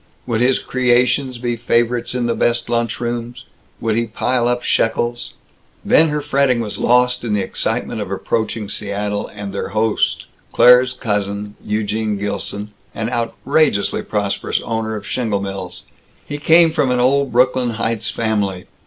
Would his creations be favorites in the best lunch rooms? Would he pile up shekels? Then her fretting was lost in the excitement of approaching Seattle and their host Claire's cousin, Eugene Gilson, an outrageously prosperous owner of shingle mills. He came from an old Brooklyn Heights family.